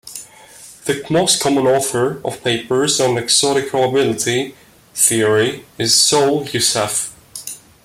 The most common author of papers on exotic probability theory is Saul Youssef.